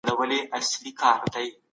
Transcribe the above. د زعفرانو اتحادیې باید فعاله شي.